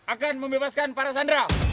akan membebaskan para sandral